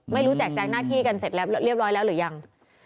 ไม่รู้แจกแจกหน้าที่กันเสร็จแล้วเรียบร้อยแล้วหรือยัง